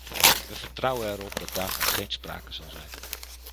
We vertrouwen erop dat daarvan geen sprake zal zijn.